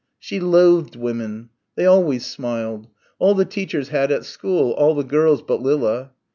She loathed women. They always smiled. All the teachers had at school, all the girls, but Lilla.